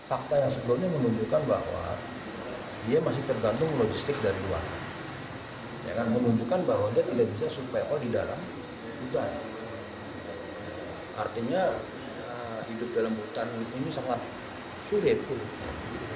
artinya hidup dalam hutan ini sangat sulit